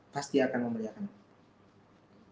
pasti akan memuliakanmu